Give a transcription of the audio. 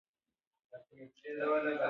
افغانستان د ښتې لپاره مشهور دی.